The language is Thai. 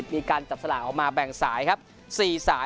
มีการจับสลากออกมาแบ่งสายครับ๔สาย